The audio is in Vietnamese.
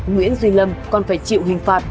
nguyễn duy lâm còn phải chịu hình phạt